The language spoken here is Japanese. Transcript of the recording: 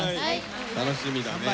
楽しみだね。